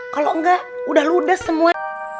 kalau enggak udah ludes semua